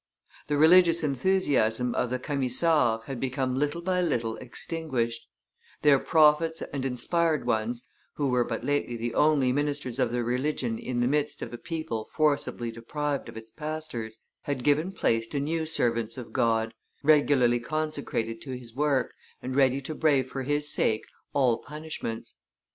The religious enthusiasm of the Camisards had become little by little extinguished; their prophets and inspired ones, who were but lately the only ministers of the religion in the midst of a people forcibly deprived of its pastors, had given place to new servants of God, regularly consecrated to His work and ready to brave for His sake all punishments.